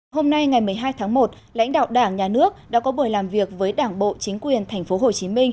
hôm nay ngày một mươi hai tháng một lãnh đạo đảng nhà nước đã có buổi làm việc với đảng bộ chính quyền tp hcm